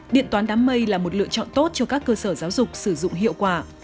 điện toán đám mây là một lựa chọn tốt cho các cơ sở giáo dục sử dụng hiệu quả